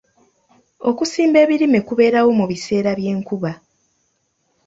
Okusimba ebirime kubeerawo mu biseera by'enkuba.